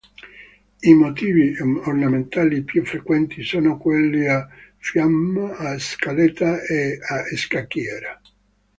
I motivi ornamentali più frequenti sono quelli "a fiamma", "a scaletta" e "a scacchiera".